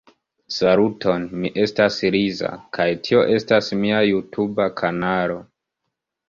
Saluton, mi estas Liza kaj tio estas mia jutuba kanalo.